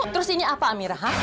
terus ini apa amira